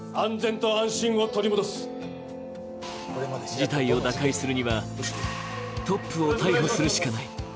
事態を打開するにはトップを逮捕するしかない。